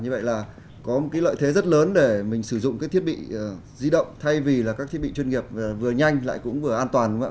như vậy là có một cái lợi thế rất lớn để mình sử dụng cái thiết bị di động thay vì là các thiết bị chuyên nghiệp vừa nhanh lại cũng vừa an toàn đúng không ạ